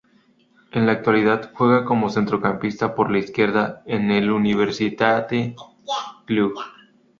En la actualidad juega como centrocampista por la izquierda en el Universitatea Cluj.